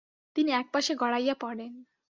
তিনি একপাশে গড়াইয়া পড়েন।